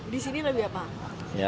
di sini lebih apa